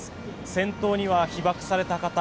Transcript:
先頭には被爆された方。